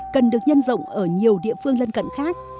cần được nhân rộng ở nhiều địa phương lân cận khác